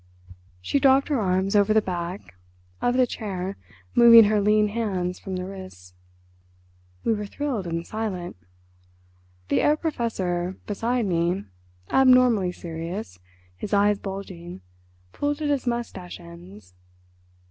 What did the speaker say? She dropped her arms over the back of the chair, moving her lean hands from the wrists. We were thrilled and silent. The Herr Professor, beside me, abnormally serious, his eyes bulging, pulled at his moustache ends.